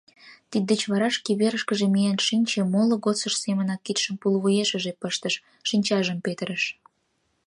Тиддеч вара шке верышкыже миен шинче, моло годсыж семынак кидшым пулвуешыже пыштыш, шинчажым петырыш.